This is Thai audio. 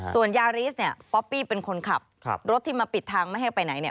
ส่วนยาริสเนี่ยป๊อปปี้เป็นคนขับรถที่มาปิดทางไม่ให้ไปไหนเนี่ย